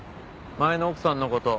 前の奥さんの事